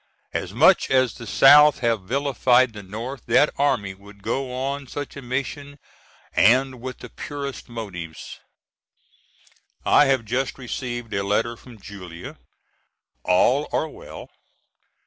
As much as the South have vilified the North, that army would go on such a mission and with the purest motives. I have just received a letter from Julia. All are well.